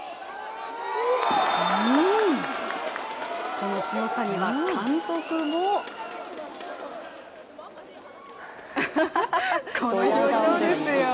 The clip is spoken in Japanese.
この強さには監督もこの表情ですよ。